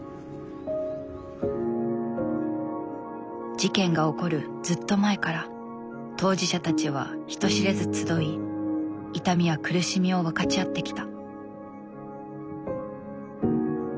事件が起こるずっと前から当事者たちは人知れず集い痛みや苦しみを分かち合ってきた。